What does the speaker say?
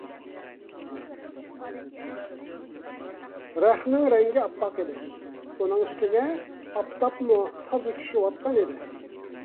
رەختنىڭ رەڭگى ئاپئاق ئىدى، ئۇنىڭ ئۈستىگە ئاپتاپمۇ تازا چۈشۈۋاتقانىدى.